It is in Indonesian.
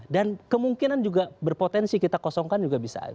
dan kemungkinan juga berpotensi kita kosongkan juga bisa